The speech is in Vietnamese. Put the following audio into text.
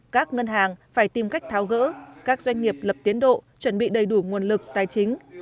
các ngân hàng phải tìm cách tháo gỡ các doanh nghiệp lập tiến độ chuẩn bị đầy đủ nguồn lực tài chính